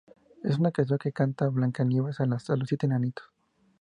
Es una canción que canta "Blancanieves" a los Siete Enanitos.